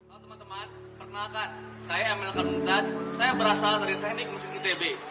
halo teman teman perkenalkan saya emil karnuntas saya berasal dari teknik mesin itb